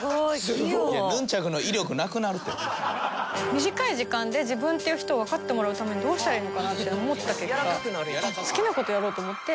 短い時間で自分っていう人をわかってもらうためにはどうしたらいいのかなって思った結果好きな事をやろうと思って。